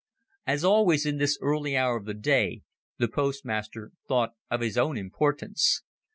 As always in this early hour of the day, the postmaster thought of his own importance.